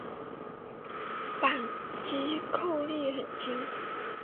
扳机扣力很轻。